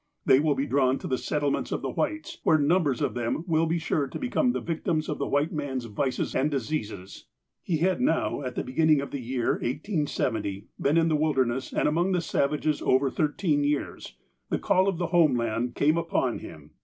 They will be drawn to the settlements of the Whites, where num bers of them will be sure to become the victims of the white man's vices and diseases." He had now, at the beginning of the year 1870, been in the wilderness and among the savages over thirteen years. The call of the home land came upon him.